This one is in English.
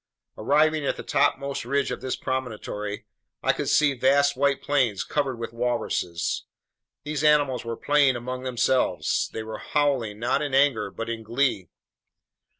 Arriving at the topmost ridge of this promontory, I could see vast white plains covered with walruses. These animals were playing among themselves. They were howling not in anger but in glee.